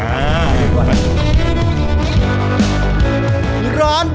ห้าม่ายิ่งต่อ